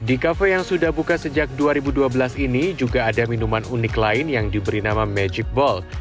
di kafe yang sudah buka sejak dua ribu dua belas ini juga ada minuman unik lain yang diberi nama magic bold